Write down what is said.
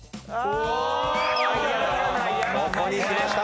ここにきました。